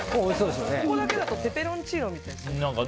ここだけだとペペロンチーノみたいですね。